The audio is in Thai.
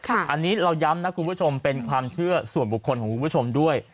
อันนี้เราย้ำนะคุณผู้ชมเป็นความเชื่อส่วนบุคคลของคุณผู้ชมด้วย